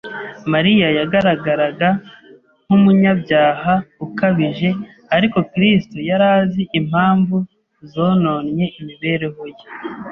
Mariya yagaragaraga nk'umunyabyaha ukabije ariko Kristo yari azi impamvu zononnye imibereho ye